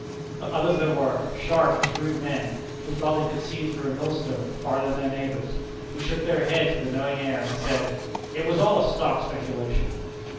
But others there were sharp, shrewd men who thought they could see through a mill stone farther than their neighbors, who shook their heads with a knowing air, and said: "It was all a stock speculation."